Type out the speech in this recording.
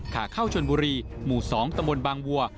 ขาเข้าชนบุรีหมู่๒ตะบนบางวัว